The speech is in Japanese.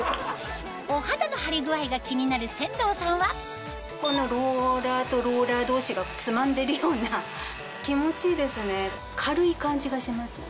お肌のハリ具合が気になる千導さんはこのローラーとローラー同士がつまんでるような気持ちいいですね。